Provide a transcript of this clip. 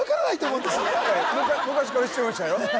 昔から知ってましたよ